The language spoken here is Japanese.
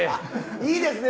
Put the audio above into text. いいですね